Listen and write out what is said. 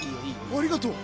ありがとう！